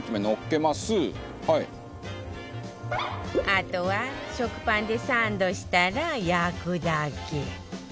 あとは食パンでサンドしたら焼くだけ